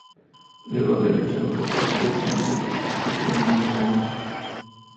Luego del rechazo por parte de esta nación, se dispuso su envío a Lima.